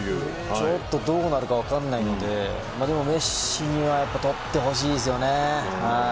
ちょっとどうなるか分からないのででも、メッシにはとってほしいですよね。